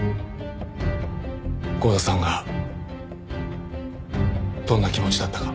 剛田さんがどんな気持ちだったか。